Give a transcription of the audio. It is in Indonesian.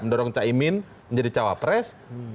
mendorong caimin menjadi cawapres